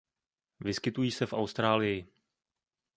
Vyskytují se v Austrálii.